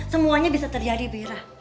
semuanya bisa terjadi biira